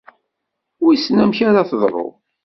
Wissen amek ara teḍru.